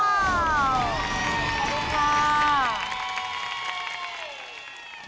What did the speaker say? ขอบคุณค่ะ